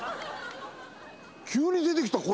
急に出てきたこれ。